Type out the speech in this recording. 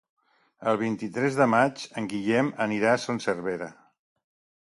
El vint-i-tres de maig en Guillem anirà a Son Servera.